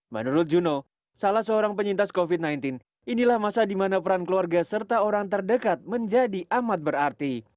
menurut juno salah seorang penyintas covid sembilan belas inilah masa di mana peran keluarga serta orang terdekat menjadi amat berarti